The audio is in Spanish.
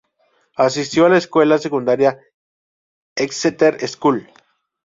Asistió a la escuela secundaria Exeter School.